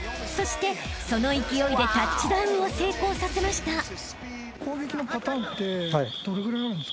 ［そしてその勢いでタッチダウンを成功させました］